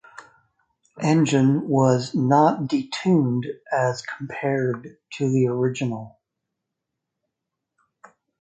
Engine was not detuned as compared to the original.